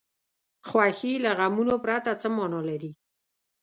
خوښي له غمونو پرته څه معنا لري.